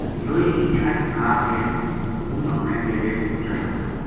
لوئی کی چھَٹ بنا کے ہوں اپنے ڈیرے پوہچایو